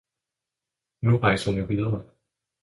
Nu rejser jeg videre!